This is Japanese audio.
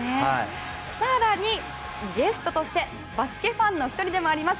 更に、ゲストとしてバスケファンのお一人でもあります